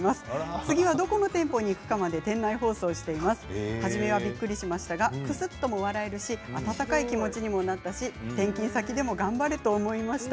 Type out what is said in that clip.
次はどこの店舗に行くのか店内放送でしています。初めびっくりしましたがくすっと笑えるし温かい気持ちにもなったし転勤先でも頑張れと思いました。